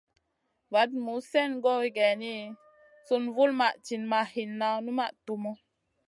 Vaɗ muzn slèn goy geyni, sùn vulmaʼ tinʼ ma hinna, numaʼ tumu.